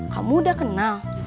kamu udah kenal